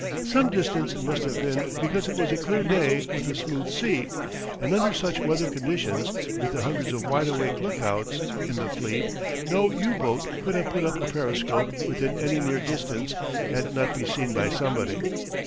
Some distance it must have been because it was a clear day with a smooth sea, and under such weather conditions, with the hundreds of wide awake lookouts in the fleet, no U boat could have put up a periscope within any near distance and not be seen by somebody.